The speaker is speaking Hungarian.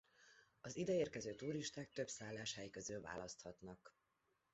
Az ideérkező turisták több szálláshely közül választhatnak.